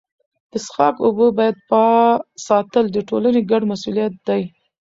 د څښاک اوبو پاک ساتل د ټولني ګډ مسوولیت دی.